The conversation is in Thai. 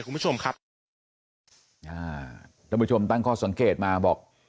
คุณผู้ชมครับอ่าท่านผู้ชมตั้งข้อสังเกตมาบอก